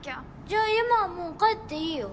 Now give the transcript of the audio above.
じゃあユマはもう帰っていいよ。